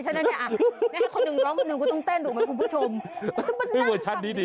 ฉะนั้นเนี่ยเอาให้คนนึงร้องเล่าคนนึงก็ต้องเต้นหรอกไหมคุณผู้ชม